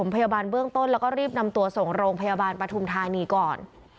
พยาบาลเบื้องต้นแล้วก็รีบนำตัวส่งโรงพยาบาลปฐุมธานีก่อน